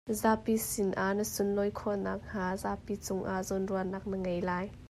Zapi sinah na sunlawi khawhnak hnga zapi cungah zawnruahnak na ngei lai.